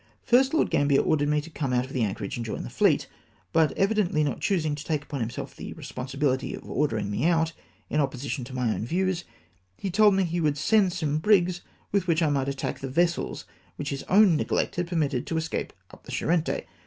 Fii^st, Lord Gambler ordered me to come out of the anchorage and join the fleet ! but evidently not choosing to take upon himself the responsibility of ordering me out, in opposition to my own views, he told me he would send some brigs with which I might attack vessels which his own neglect had permitted to escape up the Charente